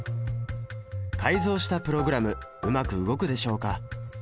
改造したプログラムうまく動くでしょうか？